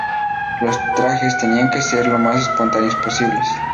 Los trajes tenían que ser lo más espontáneos posible.